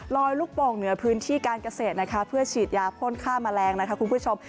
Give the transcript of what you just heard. ลูกโป่งเหนือพื้นที่การเกษตรนะคะเพื่อฉีดยาพ่นฆ่าแมลงนะคะคุณผู้ชม